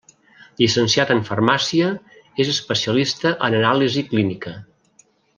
Llicenciat en farmàcia, és especialista en anàlisi clínica.